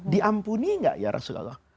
diampuni gak ya rasulullah